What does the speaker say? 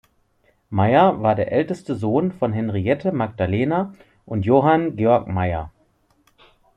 Meyer war der älteste Sohn von Henriette Magdalena und Johann Georg Meyer.